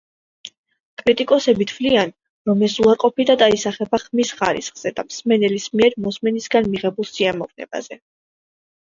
კრიტიკოსები თვლიან, რომ ეს უარყოფითად აისახება ხმის ხარისხზე და მსმენელის მიერ მოსმენისგან მიღებულ სიამოვნებაზე.